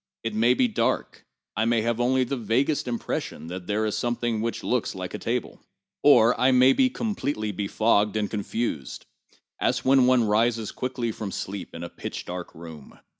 It may be dark; I may have only the vaguest impression that there is something which looks like a table. Or I may be completely befogged and confused, as when one rises quickly from sleep in a pitch dark room.